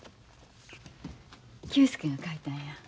久助が書いたんや。